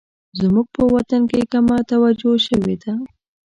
زموږ په وطن کې کمه توجه شوې ده